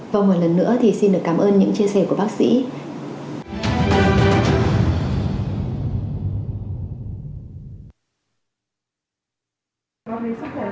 và một lần nữa thì xin được cảm ơn những chia sẻ của bác sĩ